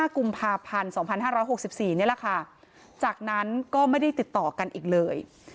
กุมภาพันธ์๒๕๖๔นี่แหละค่ะจากนั้นก็ไม่ได้ติดต่อกันอีกเลย